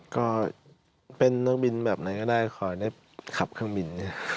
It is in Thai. ก็เป็นนักบินแบบนั้นก็ได้คอยได้ขับเครื่องบิน